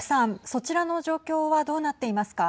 そちらの状況はどうなっていますか。